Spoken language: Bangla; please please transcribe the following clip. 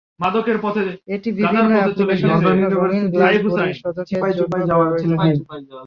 এটি বিভিন্ন অ্যাপ্লিকেশনের জন্য রঙিন গ্লাস পরিশোধকের জন্য ব্যবহৃত হয়।